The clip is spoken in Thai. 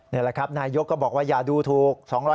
นี่แหละครับนายยกก็บอกว่าอย่าดูถูก